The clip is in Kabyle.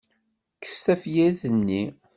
Kkes tafyirt-nni.